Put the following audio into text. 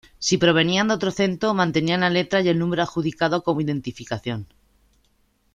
Si provenían de otro centro, mantenían la letra y el número adjudicado como identificación.